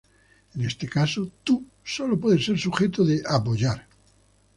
En este caso, "tú" solo puede ser sujeto de "apoyar".